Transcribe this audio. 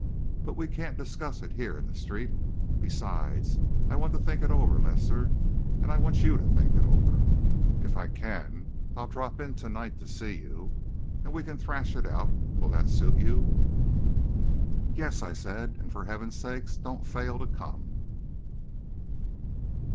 But we can't discuss it here in the street. Besides, I want to think it over, Lester; and I want you to think it over. If I can, I'll drop in to night to see you, and we can thresh it out! Will that suit you?" "Yes," I said; "and for heaven's sake, don't fail to come!"